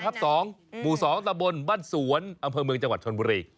บุสองตะบลบ้านสวนอังเภอเมืองจังหวัดชนบุรี